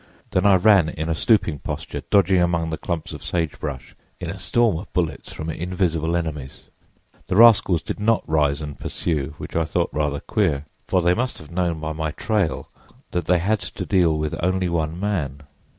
Then I ran in a stooping posture, dodging among the clumps of sage brush in a storm of bullets from invisible enemies. The rascals did not rise and pursue, which I thought rather queer, for they must have known by my trail that they had to deal with only one man.